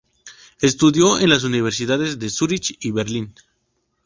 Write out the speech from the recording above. Estudió en las universidades de Zurich y Berlín.